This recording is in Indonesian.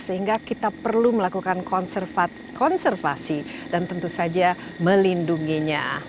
sehingga kita perlu melakukan konservasi dan tentu saja melindunginya